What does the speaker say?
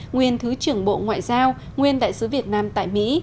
nguyên thứ trưởng bộ ngoại giao nguyên đại sứ việt nam tại mỹ